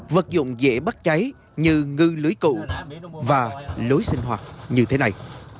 vật dụng dễ bắt cháy như ngư lưới cụ và lối sinh hoạt như thế này